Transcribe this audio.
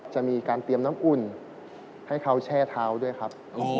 จะมีการเตรียมน้ำอุ่นให้เขาแช่เท้าด้วยครับ